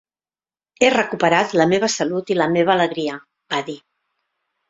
"He recuperat la meva salut i la meva alegria", va dir.